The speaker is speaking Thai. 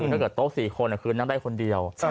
ถ้าเกิดโต๊ะ๔คนคืนนั้นได้คนเดียว